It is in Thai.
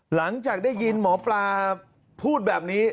หลังจากได้ยินหมอปลาพูดแบบนี้